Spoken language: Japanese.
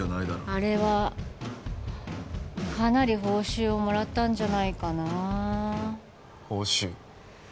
あれはかなり報酬をもらったんじゃないかな報酬？